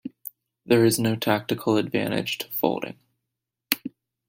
There is no tactical advantage to folding.